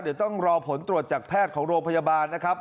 เดี๋ยวต้องรอผลตรวจจากแพทย์ของโรงพยาบาลนะครับ